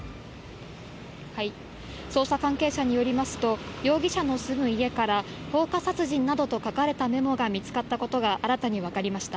捜査関係者によりますと、容疑者の住む家から、放火殺人などと書かれたメモが見つかったことが新たに分かりました。